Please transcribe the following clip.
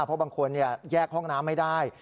เพราะบางคนแยกห้องน้ำไม่ได้